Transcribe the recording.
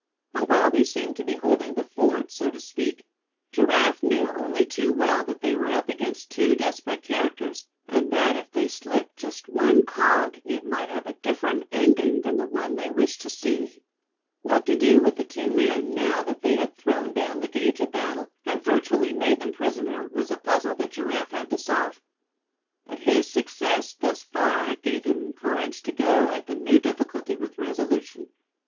But while they seemed to be holding the fort, so to speak, Giraffe knew only too well that they were up against two desperate characters, and that if they slipped just one cog, it might have a different ending than the one they wished to see. What to do with the two men, now that they had thrown down the gage of battle, and virtually made them prisoner, was a puzzle that Giraffe had to solve. But his success thus far gave him courage to go at the new difficulty with resolution.